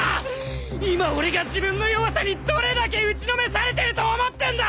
今俺が自分の弱さにどれだけ打ちのめされてると思ってんだ！！